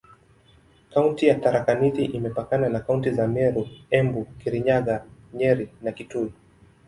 Kaunti ya Tharaka Nithi imepakana na kaunti za Meru, Embu, Kirinyaga, Nyeri na Kitui.